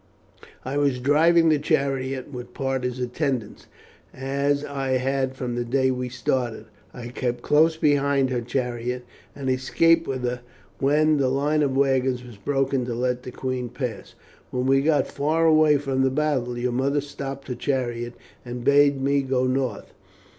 "I was driving the chariot with Parta's attendants, as I had from the day we started. I kept close behind her chariot, and escaped with her when the line of wagons was broken to let the queen pass. When we got far away from the battle your mother stopped her chariot and bade me go north.